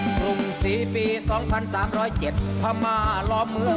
กรุงศรีปีสองพันสามร้อยเจ็ดถ้ามาล้อมเมืองสิบ